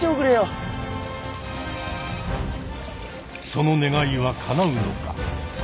その願いはかなうのか？